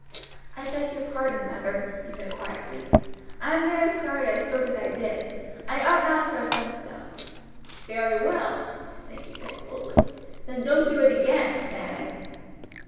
"I beg your pardon, mother," he said quietly. "I am very sorry I spoke as I did. I ought not to have done so." "Very well," Mrs. Sankey said coldly; "then don't do it again, Ned."